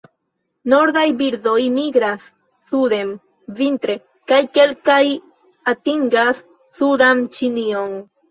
Nordaj birdoj migras suden vintre kaj kelkaj atingas sudan Ĉinion.